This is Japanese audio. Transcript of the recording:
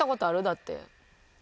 だって。